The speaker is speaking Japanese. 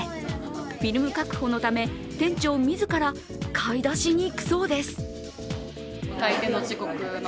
フィルム確保のため、店長自ら買い出しにいくそうです。